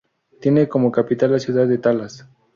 Tiene como capital la ciudad de Talas.